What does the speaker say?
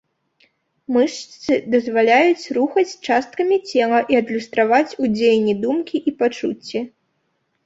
Мышцы дазваляюць рухаць часткамі цела і адлюстраваць у дзеянні думкі і пачуцці.